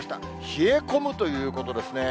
冷え込むということですね。